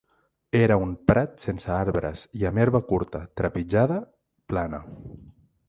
Era un prat sense arbres i amb herba curta, trepitjada, plana